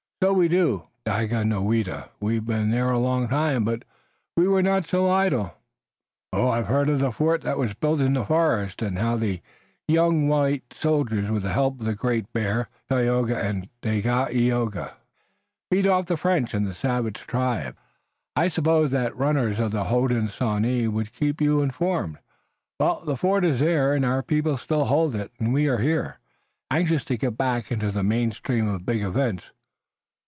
"So we do, Daganoweda. We've been there a long time, but we were not so idle." "I have heard of the fort that was built in the forest and how the young white soldiers with the help of Great Bear, Tayoga and Dagaeoga beat off the French and the savage tribes." "I supposed that runners of the Hodenosaunee would keep you informed. Well, the fort is there and our people still hold it, and we are here, anxious to get back into the main stream of big events.